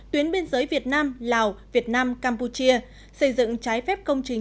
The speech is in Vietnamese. tuyến biên giới việt nam lào việt nam campuchia xây dựng trái phép công trình